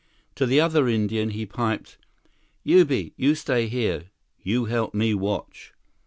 To the other Indian, he piped: "Ubi, you stay here. You help me watch."